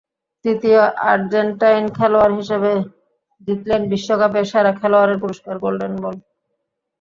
তৃতীয় আর্জেন্টাইন খেলোয়াড় হিসেবে জিতলেন বিশ্বকাপের সেরা খেলোয়াড়ের পুরস্কার, গোল্ডেন বল।